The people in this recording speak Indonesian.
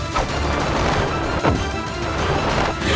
jangan lupa untuk berhenti